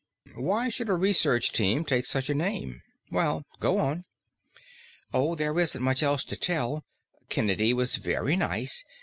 Why should a research team take such a name? Well, go on." "Oh, there isn't much else to tell. Kennedy was very nice.